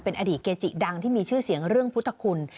อดีตเกจิดังที่มีชื่อเสียงเรื่องพุทธคุณ